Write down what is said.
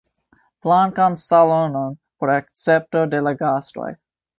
Blankan salonon por akcepto de la gastoj.